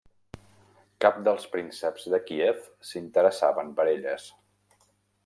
Cap dels prínceps de Kíev s'interessaven per elles.